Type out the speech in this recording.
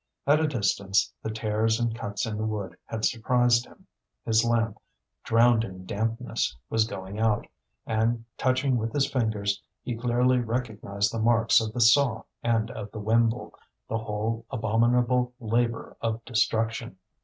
At a distance the tears and cuts in the wood had surprised him. His lamp, drowned in dampness, was going out, and, touching with his fingers, he clearly recognized the marks of the saw and of the wimble the whole abominable labour of destruction.